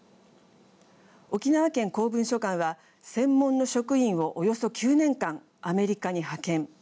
沖縄県公文書館は専門の職員をおよそ９年間アメリカに派遣。